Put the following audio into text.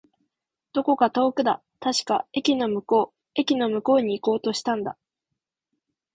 どこか遠くだ。確か、駅の向こう。駅の向こうに行こうとしたんだ。